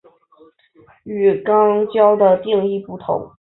与肛交的定义不同。